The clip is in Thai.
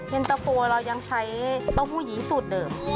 เย็นตะโฟเรายังใช้เต้าหู้ยี้สูตรเดิม